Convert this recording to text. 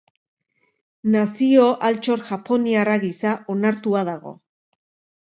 Nazio-Altxor Japoniarra gisa onartua dago.